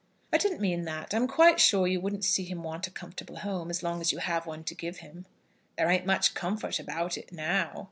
"I didn't mean that. I'm quite sure you wouldn't see him want a comfortable home, as long as you have one to give him." "There ain't much comfort about it now."